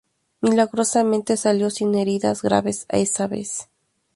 Milagrosamente, salió sin heridas graves esa vez.